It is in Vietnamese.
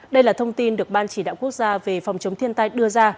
đây là thông tin được ban chỉ đạo quốc gia về phòng chống thiên tai đưa ra